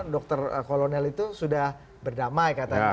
dokter kolonel itu sudah berdamai katanya